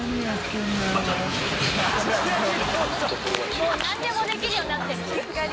もう何でもできるようになってる。